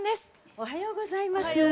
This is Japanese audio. おはようございます！